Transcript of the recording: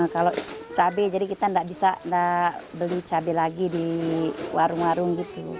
kalau cabai jadi kita nggak bisa beli cabai lagi di warung warung gitu